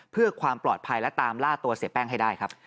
เพื่อความปลอดภัยและตามล่าตัวเสียแป้งให้ได้ครับ